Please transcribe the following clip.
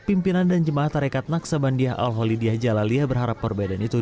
pimpinan dan jemaah tarekat naksabandia al holidiyah jalaliyah berharap perbedaan itu